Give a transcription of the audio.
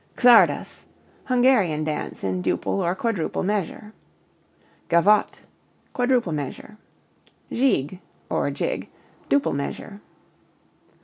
Csardas Hungarian dance in duple or quadruple measure. Gavotte quadruple measure. Gigue (or jig) duple measure.